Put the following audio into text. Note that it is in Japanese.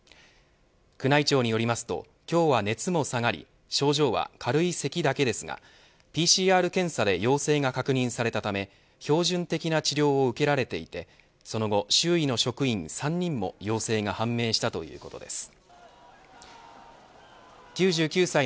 宮内庁によりますと今日は熱も下がり症状は軽いせきだけですがＰＣＲ検査で陽性が確認されたため標準的な治療を受けられていてその後周囲の職員３人も陽性が判明したということです。